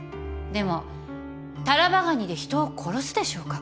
でもタラバガニで人を殺すでしょうか？